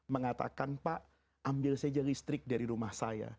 mengatakan pak ambil saja listrik dari rumah saya